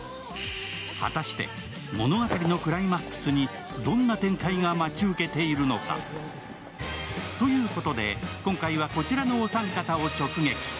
果たして物語のクライマックスにどんな展開が待ち受けているのか。ということで今回はこちらのお三方を直撃。